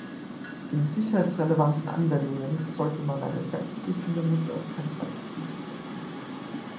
In sicherheitsrelevanten Anwendungen sollte man eine selbstsichernde Mutter kein zweites Mal verwenden.